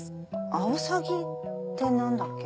アオサギって何だっけ？